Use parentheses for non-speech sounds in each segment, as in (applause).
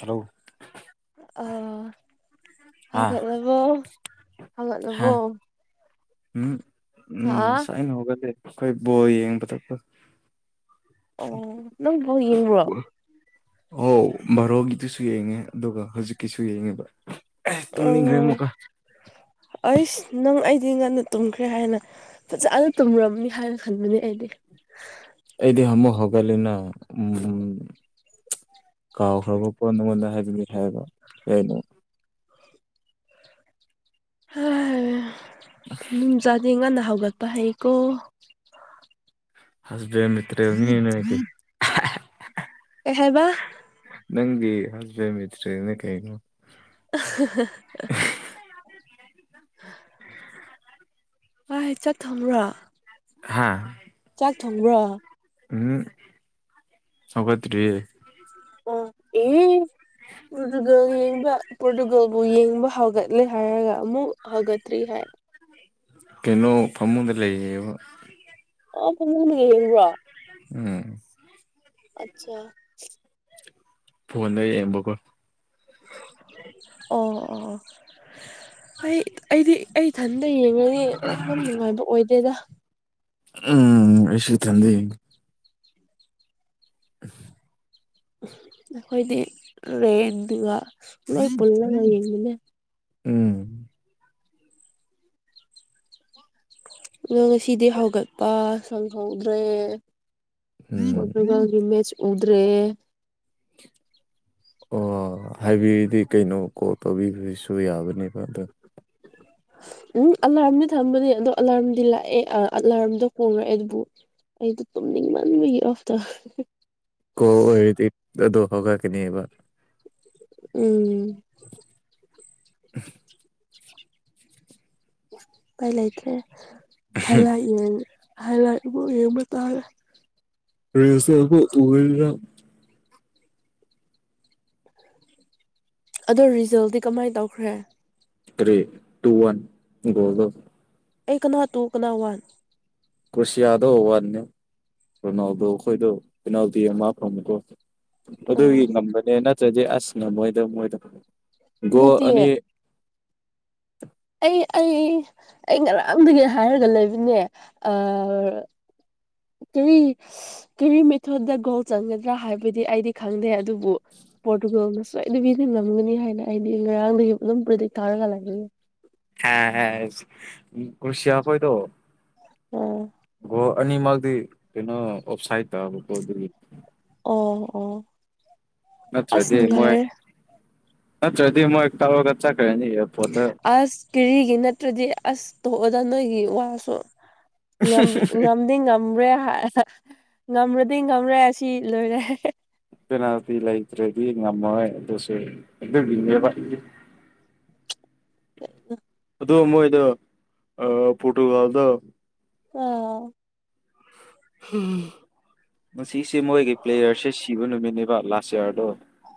Hello ꯑ ꯑꯥ ꯍꯧꯒꯠꯂꯕꯣ ꯍꯥ ꯍꯧꯒꯠꯂꯕꯣ ꯎꯝ ꯎꯝ ꯍꯥꯥ ꯁꯥꯏꯅ ꯍꯧꯒꯗꯦ ꯑꯩꯈꯣꯏ ꯕꯣꯜ ꯌꯦꯡꯕꯗ ꯑꯣ ꯅꯪ ꯕꯣꯜ ꯌꯦꯡꯕ꯭ꯔꯣ ꯑꯣ ꯚꯔꯣꯒꯤꯗꯨꯁꯨ ꯌꯦꯡꯉꯦ ꯑꯗꯨꯒ ꯍꯧꯖꯤꯛꯀꯤꯁꯨ ꯌꯦꯡꯉꯦꯕ ꯇꯨꯝꯃꯤꯅꯤꯡꯈ꯭ꯔꯦ ꯎꯝ ꯑꯃꯨꯛꯀ ꯑꯩꯁ ꯅꯪ ꯑꯩꯗꯤ ꯉꯟꯅ ꯇꯨꯝꯈ꯭ꯔꯦ ꯍꯥꯏꯅ ꯐꯖꯅ ꯇꯨꯝꯔꯝꯅꯤ ꯍꯥꯏꯅ ꯈꯟꯕꯅꯦ ꯑꯩꯗꯤ ꯑꯩꯗꯤ ꯍꯥꯃꯨ ꯍꯧꯒꯠꯂꯦꯅ ꯎꯝ ꯀꯥꯎꯈ꯭ꯔꯕꯣ ꯅꯉꯣꯟꯗ ꯍꯥꯏꯖꯒꯦ ꯍꯥꯏꯔꯕ ꯀꯩꯅꯣ ꯍꯝ ꯃꯤ ꯃꯆꯥꯗꯦ ꯉꯟꯅ ꯍꯧꯒꯠꯄ ꯍꯩꯀꯣ (unintelligible) ꯅꯣꯏꯗꯤ (unintelligible) ꯀꯩꯍꯥꯏꯕ? ꯅꯪꯗꯤ ꯍꯁꯕꯦꯜ ꯃꯇ꯭ꯔꯦꯌꯦꯜꯅꯤ ꯀꯩꯅꯣ꯫ (unintelligible) ꯆꯥꯛ ꯊꯣꯡꯕ꯭ꯔꯣ? ꯍꯥꯥ ꯆꯥꯛ ꯊꯣꯡꯕ꯭ꯔꯣ? ꯎꯝ ꯍꯧꯒꯠꯇ꯭ꯔꯤꯌꯦ꯫ ꯑꯣ ꯎꯡ (unintelligible) ꯌꯦꯡꯕ ꯄꯣꯔꯇꯨꯒꯜꯕꯨ ꯌꯦꯡꯕ ꯍꯧꯒꯠꯂꯦ ꯍꯥꯏꯔꯒ ꯑꯃꯨꯛ ꯍꯧꯒꯠꯇ꯭ꯔꯤ ꯍꯥꯏ꯫ ꯀꯩꯅꯣ ꯐꯃꯨꯡꯗ ꯂꯩ ꯍꯥꯏꯕ ꯑꯣ ꯐꯃꯨꯡꯗ ꯌꯦꯡꯕ꯭ꯔꯣ? ꯎꯝ ꯑꯆꯥ ꯐꯣꯟꯗ ꯌꯦꯡꯕꯀꯣ꯫ ꯑꯣ ꯑꯣ ꯑꯩ ꯑꯩꯗꯤ ꯑꯩ ꯏꯊꯟꯇ ꯌꯦꯡꯉꯗꯤ ꯌꯥꯝ ꯅꯨꯡꯉꯥꯏꯕ ꯑꯣꯏꯗꯦꯗ꯫ ꯎꯝ ꯑꯦꯁꯨ ꯏꯊꯟꯗ ꯌꯦꯡꯉꯤ (inaudible) ꯑꯩꯈꯣꯏꯗꯤ ꯔꯦꯟꯗꯨꯒ ꯂꯣꯏ ꯄꯨꯜꯂꯒ ꯌꯦꯡꯃꯤꯅꯩ꯫ ꯎꯝ ꯉꯁꯤꯗꯤ ꯍꯧꯒꯠꯄ ꯁꯪꯍꯧꯗ꯭ꯔꯦ꯫ ꯎꯝ ꯄꯣꯔꯇꯨꯒꯜꯒꯤ ꯃꯦꯆ ꯎꯗ꯭ꯔꯦ꯫ ꯑꯣ ꯍꯥꯏꯕꯤꯗꯤ ꯀꯩꯅꯣ ꯀꯣꯜ ꯇꯧꯕꯤꯒ꯭ꯔꯁꯨ ꯌꯥꯕꯅꯦꯕ ꯑꯗꯣ꯫ ꯎꯝ ꯑꯂꯥꯔꯝꯗꯤ ꯊꯝꯕꯅꯦ ꯑꯗꯣ ꯑꯂꯥꯔꯝꯗꯤ ꯂꯥꯛꯑꯦ ꯑꯂꯥꯔꯝꯗꯣ ꯀꯣꯡꯂꯛꯑꯦ ꯑꯗꯨꯕꯨ ꯑꯩꯗꯣ ꯇꯨꯝꯅꯤꯡꯃꯟꯕꯒꯤ ꯑꯣꯐꯇ ꯀꯣꯜ ꯑꯣꯏꯔꯗꯤ ꯑꯗꯣ ꯍꯧꯒꯠꯀꯅꯦꯕ꯫ ꯎꯝ (inaudible) ꯎꯄꯥꯏ ꯂꯩꯇ꯭ꯔꯦ ꯍꯥꯏꯂꯥꯏꯠ ꯌꯦꯡꯉ ꯍꯥꯏꯂꯥꯏꯠꯕꯨ ꯌꯦꯡꯕ ꯇꯥꯔꯦ꯫ (unintelligible) ꯑꯗꯣ ꯔꯤꯖꯜꯗꯤ ꯀꯃꯥꯏ ꯇꯧꯈ꯭ꯔꯦ? ꯀ꯭ꯔꯤ ꯇꯨ ꯋꯥꯟ ꯒꯣꯜꯗꯣ꯫ ꯑꯩ ꯀꯅꯥ ꯇꯨ ꯀꯅꯥ ꯋꯥꯟ? ꯀ꯭ꯔꯣꯁꯤꯌꯥꯗꯣ ꯋꯥꯟꯅꯤ ꯔꯣꯅꯥꯜꯗꯣ ꯈꯣꯏꯗꯣ ꯄꯦꯅꯥꯜꯇꯤ ꯑꯃ ꯐꯪꯕꯀꯣ꯫ ꯑꯣ ꯑꯗꯨꯒꯤ ꯉꯝꯕꯅꯦ ꯅꯠꯇ꯭ꯔꯗꯤ ꯑꯁ ꯉꯝꯃꯣꯏꯗꯣ- ꯃꯣꯏꯗ ꯅꯠꯇꯤꯌꯦ ꯒꯣꯜꯑꯅꯤ ꯑꯩ ꯑꯩ ꯑꯩ ꯉꯔꯥꯡꯗꯒꯤ ꯍꯥꯏꯔꯒ ꯂꯩꯕꯅꯦ ꯑ ꯀꯔꯤ ꯀꯔꯤ ꯃꯦꯊꯣꯠꯇ ꯒꯣꯜ ꯆꯪꯒꯗ꯭ꯔꯥ ꯍꯥꯏꯕꯗꯤ ꯑꯩꯗꯤ ꯈꯪꯗꯦ ꯑꯗꯨꯕꯨ ꯄꯣꯔꯇꯨꯒꯜꯅ ꯁꯣꯏꯗꯕꯤꯗꯤ ꯉꯝꯒꯅꯤ ꯍꯥꯏꯅ ꯑꯩꯗꯤ ꯉꯔꯥꯡꯗꯒꯤ ꯑꯗꯨꯝ ꯄ꯭ꯔꯦꯗꯤꯛ ꯇꯧꯔꯒ ꯂꯩꯕꯅꯦ꯫ ꯍꯥꯁ ꯀ꯭ꯔꯨꯁꯤꯌꯥ ꯍꯣꯏꯗꯣ ꯑꯣ ꯒꯣꯜ ꯑꯅꯤꯃꯛꯗꯤ ꯀꯩꯅꯣ ꯑꯣꯞꯁꯥꯏꯠ ꯇꯕꯀꯣ ꯑꯗꯨꯒꯤ ꯑꯣ ꯑꯣ ꯑꯁ ꯅꯠꯇ꯭ꯔꯗꯤ ꯃꯣꯏ ꯅꯨꯡꯉꯥꯏꯔꯦ ꯅꯠꯇ꯭ꯔꯗꯤ ꯃꯣꯏ ꯇꯧꯔꯒ ꯆꯠꯈ꯭ꯔꯅꯤ ꯑꯦꯌꯥꯔꯄꯣꯔꯠꯇ꯫ ꯑꯁ ꯀꯦꯔꯤꯒꯤ ꯅꯠꯇ꯭ꯔꯗꯤ ꯑꯁ ꯇꯣꯛꯑꯣꯗ ꯅꯣꯏꯒꯤ ꯋꯥꯁꯨ꯫ ꯉꯝꯗꯤ ꯉꯃ꯭ꯔꯦ ꯉꯝꯃ꯭ꯔꯗꯤ ꯉꯝꯔꯦ ꯑꯁꯤ ꯂꯣꯏꯔꯦ꯫ ꯄꯦꯅꯥꯜꯇꯤ ꯂꯩꯇ꯭ꯔꯦꯗꯤ ꯉꯝꯃꯣꯏ ꯑꯗꯨꯁꯨ ꯑꯗꯨꯒꯤꯅꯦꯕ꯫ (inaudible) ꯑꯗꯨ ꯃꯣꯏꯗꯣ ꯄꯣꯇꯨꯒꯜꯗꯣ ꯑ ꯉꯁꯤꯁꯦ ꯃꯣꯏꯒꯤ ꯄ꯭ꯂꯦꯌꯔꯁꯦ ꯁꯤꯕ ꯅꯨꯃꯤꯠꯅꯦꯕ ꯂꯥꯁ ꯌꯥꯔꯗꯣ꯫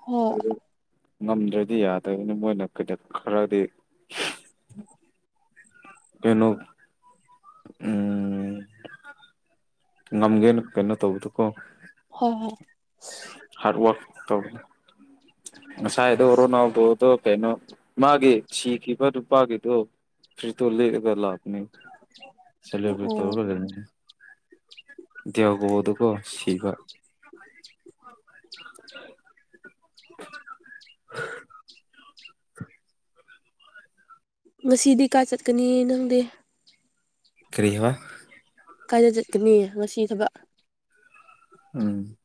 ꯍꯣꯏ ꯑꯗꯨ ꯉꯝꯗ꯭ꯔꯗꯤ ꯌꯥꯗꯕꯅꯤ ꯃꯣꯏꯅ ꯀꯩ ꯀꯩ ꯈꯔꯗꯤ꯫ ꯀꯩꯅꯣ ꯎꯝꯝꯝ ꯉꯝꯒꯦꯅꯥ ꯀꯩꯅꯣ ꯇꯧꯕꯥꯗꯨꯀꯣ ꯍꯣꯏ ꯍꯣꯏ ꯍꯔꯠ ꯋꯥꯛ ꯇꯧꯕꯥꯗꫭ ꯉꯁꯥꯏꯗꫭ ꯔꫭꯅꯥꯟꯗꫭ ꯀꯩꯅꯣ ꯃꯥꯒꯤ ꯁꯤꯈꯤꯕ ꯅꯨꯄꯥꯒꯤꯗꯣ ꯐꯨꯔꯤꯇꯣ ꯂꯤꯠꯔꯒ ꯂꯥꯛ (unintelligible) ꯑꯣ ꯗꯤꯌꯥ ꯒꫭ ꯗꯨꯀꯣ ꯁꯤꯕꯥ (unintelligible) ꯉꯁꯤꯗꯤ ꯀꯥꯏ ꯆꯠꯀꯅꯤ ꯅꯪꯗꯤ ꯀꯔꯤ ꯍꯥꯏꯕ ꯀꯥꯏꯗ ꯆꯠꯀꯅꯤ ꯉꯁꯤ ꯍꯥꯏꯕ ꯎꯝꯝ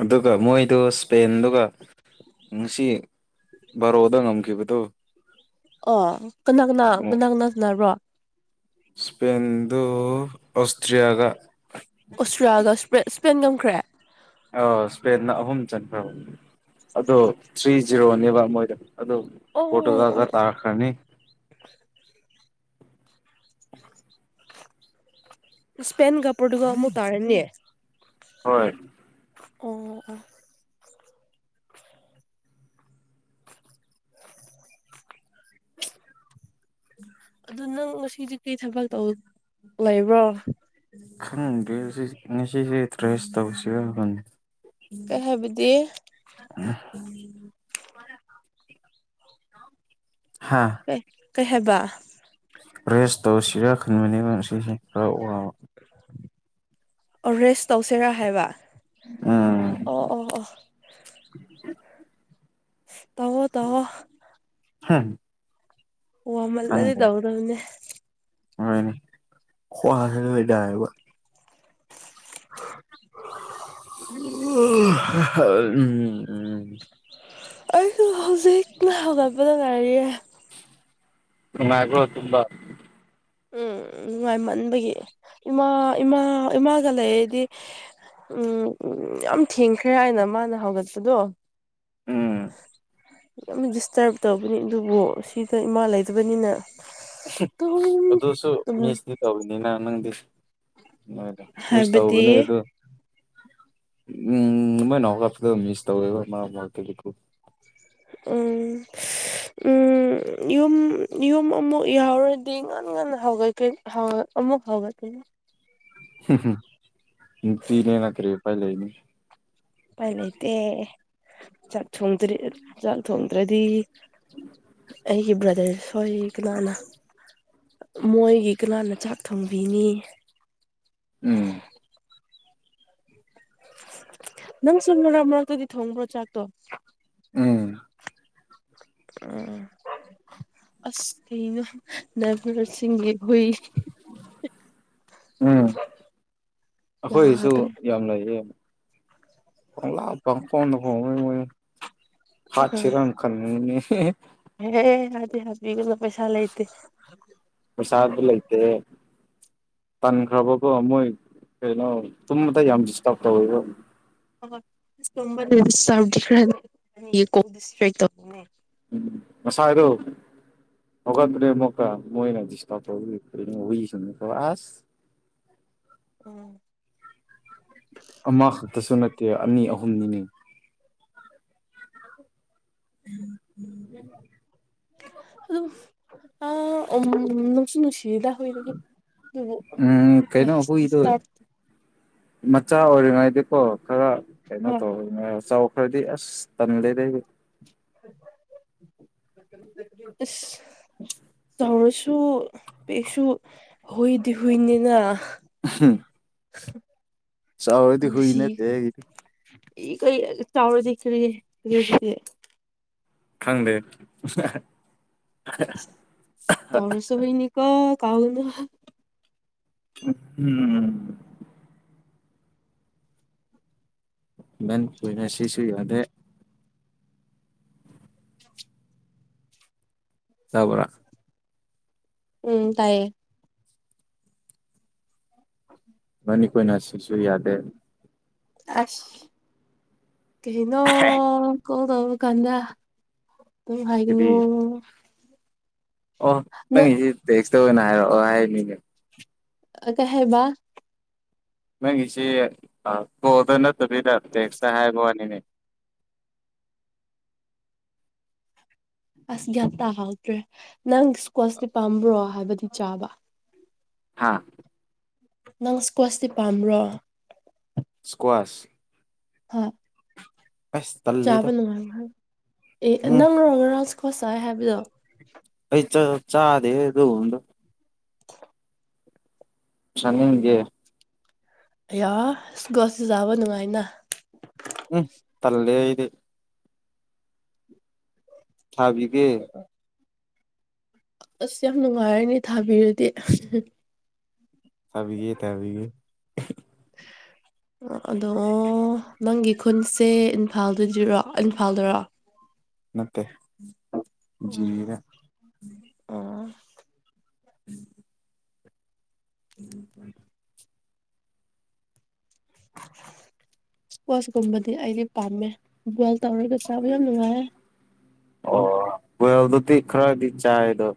ꯑꯗꯨꯒꯥ ꯃꯣꯏꯗꫭ ꯏꯁꯄꯦꯟꯗꯨꯒ ꯉꯁꯤ ꯕꯥꯔꯣꯗꯥ ꯉꯝꯈꯤꯕꯗꫭ ꯑꯣ ꯀꯅꯥ ꯀꯅꯥ ꯀꯅꯥ ꯀꯅꯥ ꯁꯥꯟꯅꯕ꯭ꯔꯣ ꯁꯄꯦꯟꯗꯗꯨ ꯑꯥꯁꯇ꯭ꯔꯌꯥꯒꯥ ꯑꯣꯁꯇ꯭ꯔꯌꯥꯒ ꯏꯁꯄꯦꯟ ꯏꯄꯦꯟꯅ ꯉꯝꯈ꯭ꯔꯦ ꯑꯥ ꯏꯁꯄꯦꯟꯅ ꯑꯍꯨꯝ ꯆꯟꯈ꯭ꯔꯕꯅꯤ ꯑꯗꯣ ꯊ꯭ꯔꯤ ꯖꯤꯔꯣꯅꯦꯕ ꯃꯣꯏꯗꯣ ꯑꯗꫭ ꯑꯣ ꯑꯣ ꯄꯔꫭꯇꯨꯒꯟꯒꯥ ꯑꯣ ꯇꯥꯔꯈ꯭ꯔꯅꯤ ꯏꯁꯄꯦꯟꯒꯥ ꯄꯔꫭꯇꯗꯨꯒꯟꯒꯥ ꯑꯃꯨꯛ ꯇꯥꯔꯅꯤ ꯍꯣꯏ ꯑꯣ ꯑꯣ ꯑꯗꯨ ꯅꯪ ꯉꯁꯤꯒꯤ ꯀꯔꯤ ꯊꯕꯛ ꯇꯧ ꯂꯩꯕ꯭ꯔꯣ ꯈꯪꯗꯔꯦ ꯉꯁꯤꯁꯤ ꯇ꯭ꯔꯦꯁ ꯇꯧꯁꯤꯔꯥ ꯑꯩ ꯍꯥꯏꯕꯗꯤ ꯎꯝ ꯍꯥꯥ ꯑ° ꯀꯩꯍꯥꯏꯕ ꯔꯦꯁ ꯇꯧꯁꯤꯔ ꯈꯟꯕꯅꯤꯕꯥ ꯈꯔꯥ ꯋꯥꯕꯥ ꯑꫭ ꯔꯦꯁ ꯇꯧꯁꯤꯔꯥ ꯍꯥꯏꯕ ꯑꯥ ꯑꯣ ꯑꯣ ꯑꯣ ꯇꯧꯋꯣ ꯇꯩꯋꯣ (unintelligible) ꯋꯥꯃꯜꯂꯗꯤ ꯈꯪꯗꯦ ꯇꯧꯒꯗꯧꯅꯦ ꯍꯣꯏꯅꯦ ꯈꯋꯥꯡꯁꯤꯁꯨ ꯅꯥꯌ°ꯕ ꯑꯍꯝꯝ ꯍꯝꯝ ꯑꯩꯁꯨ ꯍꯧꯖꯤꯛ ꯌꯥꯍꯧꯔꯛꯄꯗ ꯉꯥꯏꯔꯤꯌꯦ ꯅꯨꯡꯉꯥꯏꯕꯔꯣ ꯇꯨꯝꯕꯥ ꯎꯝꯝ ꯅꯨꯡꯉꯥꯏ ꯃꯟꯕꯒꯤ ꯏꯃꯥ ꯏꯃꯥ ꯏꯃꯥꯒ ꯂꯩꯔꯗꯤ ꯎꯝ ꯎꯝ ꯌꯥꯝ ꯊꯦꯡꯈ꯭ꯔꯦ ꯍꯥꯏꯅ ꯃꯥꯅ ꯍꯧꯒꯠꯄꯗꯣ ꯎꯝꯝ ꯌꯥꯝꯅꯥ ꯗꯤꯁꯇꯔꯕ ꯇꯧꯕꯅꯤ ꯑꯗꯨꯕꯨ ꯉꯁꯤꯗꯤ ꯏꯃꯥ ꯂꯩꯇꯕꯅꯤꯅ ꯑꯗꯨꯝ ꯑꯗꯨꯁꯨ ꯇꯨꯝ ꯃꯤꯁ ꯇꯤ ꯇꯧꯔꯤꯅꯤꯅ ꯅꯪꯗꯤ ꯏꯃꯥꯗꯨ ꯃꯤꯁ ꯍꯥꯏꯕꯗꯤ ꯇꯧꯕꯅꯤ ꯑꯗꯨ (unintelligible) ꯎꯝꯝ ꯎꯝ ꯌꯨꯝ ꯌꯨꯝ ꯑꯃꯨꯛ ꯌꯥꯎꯔꯗꯤ ꯉꯟꯅ ꯉꯟꯅ ꯍꯥꯎꯒꯠꯀꯦ ꯅꯍꯥꯟ ꯑꯃꯨꯛ ꯍꯧꯒꯠꯀꯦ ꯍꯨꯝ ꯍꯨꯝ ꯅꯨꯄꯤ ꯅꯣꯏꯅ ꯀꯔꯤ ꯎꯄꯥꯏ ꯂꯩꯅꯤ ꯎꯄꯥꯏ ꯂꯩꯇꯦꯌꯦ ꯆꯥꯛ ꯊꯣꯡꯗꯔꯥ ꯆꯥꯛ ꯊꯣꯡꯗ꯭ꯔꯗꯤ ꯑꯩꯒꯤ ꯕ꯭ꯔꯗꯔꯥ ꯈꫭꯏ ꯀꯅꯥꯅ ꯃꯣꯏꯒꯤ ꯀꯅꯥꯅ ꯆꯥꯛ ꯊꯣꯡꯕꯤꯅꯤ ꯎꯝ ꯅꯪ ꯁꯨ ꯃꯔꯛ ꯃꯔꯛꯇꯗꯤ ꯊꯣꯡꯕ꯭ꯔꯣ ꯆꯥꯛꯇꯣ ꯎꯝ ꯎꯝ ꯑꯁ ꯀꯩꯅꯣ ꯅꯚꯔꯁꯤꯡꯒꯤꯁꯤꯡ ꯍꯣꯏ ꯎꯝ ꯑꯩꯈꯣꯏꯁꯨ ꯌꯥꯗ꯭ꯔꯦ ꯌꯥꯝ ꯂꯩꯌꯦ ꯄꯡꯂꯥꯛ ꯄꯪꯈꯣꯡ ꯈꯣꯡꯏ ꯃꯣꯢꯗꯣ ꯍꯥꯠꯁꯤꯔ ꯈꯪ (unintelligible) (inaudible) ꯍꯦ ꯍꯥꯠꯗꯤ ꯍꯥꯠꯕꯤꯒꯅꯨ ꯄꯩꯁ ꯂꯩꯇꯦ ꯄꯩꯁꯥꯗꯤ ꯂꯩꯇꯦ ꯇꯟꯈ꯭ꯔꯕꯀꯣ ꯃꯣꯏ ꯀꯩꯅꯣ ꯇꯨꯝꯕꯗ ꯌꯥꯝ ꯗꯤꯁꯇꯥꯔꯕ ꯇꯧꯋꯦꯕ (inaudible) (unintelligible) ꯎꯝ ꯉꯁꯥꯏꯗꯣ ꯍꯧꯒꯠꯄꯅꯦ ꯃꯨꯀ ꯃꯣꯏꯅ ꯗꯤꯁꯇꯞ (unintelligible) ꯑꯁ ꯎꯝ ꯑꯃꯈꯛꯇꯁꯨ ꯅꯠꯇꯦ ꯑꯅꯤ ꯑꯍꯨꯝꯅꯤꯅꯦ ꯎꯝ ꯎꯝ ꯑꯗꯨꯝ ꯑ ꯎꯝ ꯅꯨꯡꯁꯨ ꯅꯨꯡꯁꯤ ꯎꯝ ꯀꯩꯅꯣ (unintelligible) ꯍꯨꯏꯗꯣ ꯗꯤꯁꯇꯔꯕ ꯃꯆꯥ ꯑꯣꯏꯔꯤꯉꯩꯗꯤꯀꯣ ꯈꯔ ꯀꯩꯅꯣ ꯇꯧ ꯆꯥꯎ ꯈꯔꯗꯤ ꯑꯁ ꯇꯜꯂꯦꯗ ꯑꯩꯗꯤ (inaudible) ꯑꯁ ꯇꯧꯔꯁꯨ ꯄꯤꯛꯁꯨ ꯍꯨꯏꯗꯤ ꯍꯨꯏꯅꯤꯅ ꯍꯝ ꯆꯥꯎꯔꯗꯤ ꯍꯨꯏ ꯅꯠꯇꯦ (unintelligible) ꯏ ꯀꯩ ꯆꯥꯎꯔꯗꯤ ꯍꯨꯢ (unintelligible) ꯈꯪꯗꯦ (unintelligible) ꯆꯥꯎꯔꯁꯨ ꯍꯨꯢꯅꯤꯀꯣ ꯀꯥꯎꯒꯅꯨ ꯎꯝ ꯃꯦꯟ ꯑꯣꯢꯅ ꯁꯤꯁꯨ ꯌꯥꯗꯦ ꯇꯥꯕ꯭ꯔ ꯎꯝ ꯇꯥꯏꯌꯦ (inaudible) ꯏꯕꯥꯅꯤ ꯀꯣꯏꯅ ꯁꯤꯁꯨ ꯌꯥꯗꯦ ꯑꯁ ꯀ꯭ꯔꯤꯅꯣ (unintelligible) ꯑꯣ ꯀꯣꯜ ꯇꯧꯕ ꯀꯥꯟꯗ ꯀꯔꯤ (unintelligible) ꯑꯣ ꯅꯪ ꯅꯪꯒꯤꯁꯤ ꯇꯦꯛꯁꯇ ꯑꯣꯢꯅ ꯍꯥꯏꯔꯛꯑꯣ ꯍꯥꯏꯕꯅꯤꯅꯦ ꯑꯥ ꯀꯩ ꯍꯥꯢꯕ ꯅꯪꯒꯤꯁꯤ ꯑꯥ ꯀꯣꯜꯗ ꯅꯠꯇꯕꯤꯗ ꯇꯦꯛꯁꯇ ꯍꯥꯏꯕ ꯋꯥꯅꯤꯅꯦ ꯑꯁ ꯒ꯭ꯌꯥꯟ ꯇꯥꯍꯧꯗ꯭ꯔꯦ ꯅꯪ ꯏꯁꯀ꯭ꯋꯥꯁꯇꯤ ꯄꯥꯝꯕ꯭ꯔꯣ ꯍꯥꯏꯕꯗꯤ ꯆꯥꯕ ꯍꯥꯥ ꯅꯪ ꯁ꯭ꯀ꯭ꯣꯆꯇꯤ ꯄꯥꯝꯕ꯭ꯔꯣ ꯁꯀ꯭ꯋꯥꯁ ꯍꯣꯢ ꯑꯁ ꯆꯥꯕ ꯇꯜꯂꯤꯗ ꯅꯨꯡꯉꯥꯏꯕ ꯍꯥꯏ ꯑꯦ ꯎꯝ ꯅꯪ ꯔꯣ ꯉꯔꯥꯡ ꯁ꯭ꯀꯥꯆ ꯆꯥꯏ ꯍꯥꯏꯕꯗꯣ ꯑꯩꯩ ꯆꯥ ꯆꯥꯗꯦꯍꯦ ꯑꯗꯨꯒꯨꯝꯕꯗꯣ ꯆꯥꯅꯤꯡꯗꯦ ꯑꯌꯥ (unintelligible) ꯆꯥꯕ ꯅꯨꯡꯉꯥꯏꯅ ꯎꯝ ꯇꯜꯂꯦ ꯑꯩꯗꯤ ꯊꯥꯕꯤꯒꯦ ꯑꯁ ꯌꯥꯝ ꯅꯨꯡꯉꯥꯏꯔꯅꯤ ꯊꯥꯕꯤꯔꯗꯤ ꯊꯕꯤꯒꯦ ꯊꯕꯤꯒꯦ (unintelligible) ꯑꯗꯣ ꯅꯪꯒꯤ ꯈꯨꯟꯁꯦ ꯏꯝꯐꯥꯜꯗꯗꯤꯔꯣ ꯏꯝꯐꯥꯜꯗꯔꯣ (unintelligible) ꯅꯠꯇꯦ ꯑꯣ ꯖꯤꯔꯤꯗꯥ ꯑꯣ (unintelligible) (inaudible) ꯏꯁꯄꯣꯁꯀꯨꯝꯕꯗꯤ ꯑꯩꯗꯤ ꯄꯥꯝꯃꯦ ꯕꯣꯏꯜ ꯇꯧꯔꯒ ꯆꯥꯕ ꯌꯥꯝ ꯅꯨꯡꯉꯥꯏ ꯑꯣ ꯕꯣꯏꯜꯗꯨ ꯇꯤ ꯈ꯭ꯔꯗꯤ ꯆꯥꯏ ꯑꯗꯣ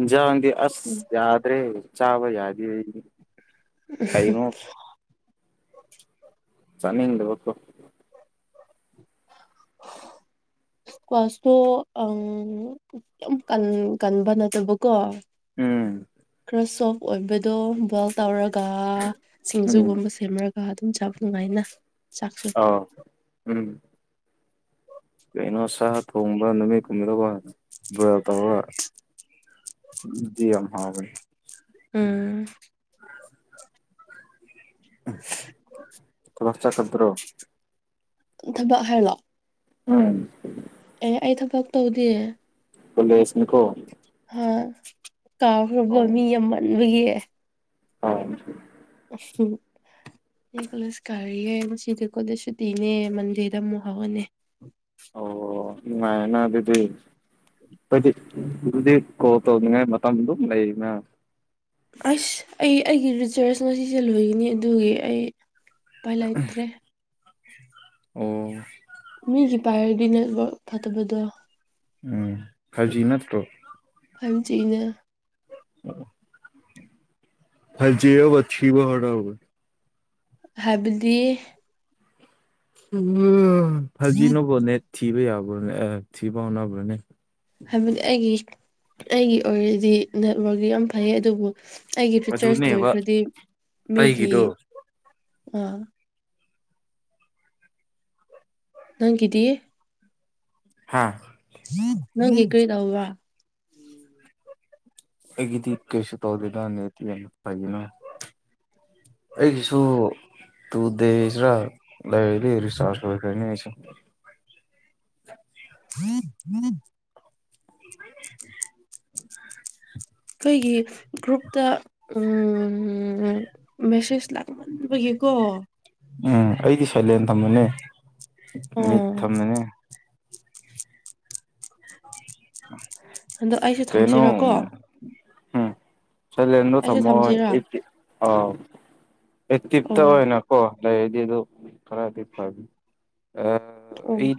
ꯏꯟꯖꯥꯡꯗꯤ ꯑꯁ ꯎꯝ ꯌꯥꯗ꯭ꯔꯦ ꯆꯥꯕ ꯌꯥꯗꯦ ꯑꯩꯗꯤ ꯀꯩꯅꯣ (unintelligible) ꯆꯥꯅꯤꯡꯗꯕꯥꯀꯣ (unintelligible) ꯀꯨꯋꯥꯁꯇꯣ ꯑꯪ ꯌꯥꯝ ꯀꯟ ꯀꯟꯕ ꯅꯠꯇꯕꯀꯣ ꯎꯝ ꯈꯔꯥ ꯁꯣꯐ ꯑꯣꯏꯕꯗꯣ ꯕꯣꯏꯜ ꯇꯧꯔꯒ ꯎꯝ ꯁꯤꯡꯖꯨꯒꯨꯝꯕ ꯁꯦꯝꯔꯥꯒ ꯑꯗꯨꯝ ꯆꯥꯕ ꯅꯨꯡꯉꯥꯏꯅ ꯆꯥꯛꯁꯨ ꯑꯥ ꯎꯝ ꯀꯩꯅꯣ ꯁꯥ ꯊꯣꯡꯕ ꯅꯨꯃꯤꯠ ꯑꯗꯨꯗꯀꯣ ꯕꯣꯏꯜ ꯇꯧꯔꯒꯥ ꯑꯥꯗꯨꯗꯤ ꯌꯥꯝ ꯍꯥꯎꯕꯅꯤ ꯎꯝ (unintelligible) ꯀꯂꯥꯁ ꯆꯠꯀꯗ꯭ꯔꯣ ꯊꯕꯛ ꯍꯥꯏꯂꯣ ꯎꯝ ꯑꯦ ꯑꯩ ꯊꯕꯛ ꯇꯧꯗꯦ ꯀꯣꯂꯦꯁꯅꯤ ꯀꯣ ꯍꯥ ꯀꯥꯎꯈ꯭ꯔꯥꯕ ꯃꯤ ꯌꯥꯝꯃꯥꯟꯕꯒꯤ ꯑꯥ (unintelligible) ꯑꯩ ꯀꯣꯂꯦꯁꯀꯥꯔꯤꯌꯦ ꯉꯁꯤꯗꯤ ꯀꯣꯂꯦꯁ ꯁꯨꯇꯤꯅꯦ ꯃꯟꯗꯦꯗ ꯑꯃꯨꯛ ꯍꯧꯔꯅꯤ ꯑꯣ ꯅꯨꯉꯥꯏꯔꯦꯅꯥ ꯑꯗꯨꯗꯤ ꯈꯣꯏꯗꯤ ꯑꯗꯨꯗꯤ ꯀꯣꯜ ꯇꯧꯅꯤꯡꯉꯥꯏ ꯃꯇꯝ ꯃꯗꯨ ꯂꯩꯕꯔꯥ ꯑꯁ ꯑꯩ ꯑꯩꯒꯤ ꯔꯤꯆꯥꯔꯖ ꯉꯁꯤꯁꯦ ꯂꯣꯏꯒꯅꯤ ꯑꯗꯨꯒꯤ ꯑꯩ ꯎꯄꯥꯏ ꯂꯩꯇ꯭ꯔꯦ ꯑꯣ ꯃꯤꯒꯤ ꯄꯥꯏꯔꯗꯤ ꯅꯦꯠꯋꯔꯛ ꯐꯠꯇꯕꯗꯣ ꯎꯝ ꯐꯥꯏꯞ ꯖꯤ ꯅꯠꯇ꯭ꯔꯣ ꯐꯥꯏꯞ ꯖꯤꯅꯦ (unintelligible) ꯐꯥꯏꯞ ꯖꯤꯅꯕꯨ ꯊꯤꯕꯥ ꯍꯧꯅꯕ꯭ꯔꯣ ꯍꯥꯏꯕꯗꯤ (unintelligible) ꯐꯥꯏꯞ ꯖꯤꯅꯕꯨ ꯅꯦꯠ ꯊꯤꯕ ꯌꯥꯕ꯭ꯔꯣꯅꯦ ꯑꯦ ꯊꯤꯕ ꯍꯧꯅꯕ꯭ꯔꯣꯅꯦ ꯍꯥꯏꯕꯗꯤ ꯑꯩꯒꯤ ꯑꯩꯒꯤ ꯑꯣꯏꯔꯗꯤ ꯅꯦꯠꯋꯥꯛ ꯌꯥꯝ ꯐꯩ ꯑꯗꯨꯕꯨ ꯑꯩꯒꯤ ꯔꯤꯆꯥꯔꯁ ꯑꯗꯨꯅꯦꯕ ꯂꯣꯏꯈ꯭ꯔꯗꯤ ꯃꯤꯒꯤ ꯑꯩꯒꯤꯗꯣ ꯑꯥ ꯅꯪꯒꯤꯗꯤ ꯍꯥꯥ ꯅꯪꯒꯤ ꯀꯔꯤ ꯇꯧꯕ꯭ꯔꯥ ꯑꯩꯒꯤꯗꯤ ꯀꯩꯁꯨ ꯇꯧꯗꯦꯗ (unintelligible) ꯑꯩꯒꯤꯁꯨ ꯇꯨ ꯗꯦꯖꯔ ꯂꯩꯔꯗꯤ ꯔꯤꯆꯥꯔꯖ ꯂꫭꯏꯈꯔꯅꯤ ꯑꯩꯁꯨ (inaudible) (inaudible) ꯑꯩꯈꯣꯏꯒꯤ ꯒ꯭ꯔꯨꯞꯇ ꯎꯝ ꯃꯦꯁꯦꯁ ꯂꯥꯛꯃꯟꯕꯒꯤꯀꯣ ꯎꯝ ꯑꯩꯗꯤ ꯁꯥꯏꯂꯦꯟ ꯊꯝꯕꯅꯦ ꯃꯤꯠ ꯑꯣ ꯊꯝꯕꯅꯦ ꯑꯗꯣ ꯑꯩꯁꯨ ꯊꯝꯁꯤꯔꯥ ꯀꯣ ꯀꯩꯩꯅꫭ ꯍꯨꯝ ꯁꯂꯦꯟꯗꯣ ꯑꯩꯁꯨ ꯊꯝꯃꯣ ꯊꯝꯁꯤꯔꯥ ꯑꯦꯇꯤꯞ ꯑꯥ ꯑꯦꯇꯤꯞꯇ ꯑꯣ ꯑꯣꯏꯅ ꯀꯣ ꯂꯩꯔꯗꯤ ꯑꯗꯨ ꯈꯔꯗꯤ ꯐꯔꯅꯤ ꯑꯥ ꯎꯝ꯫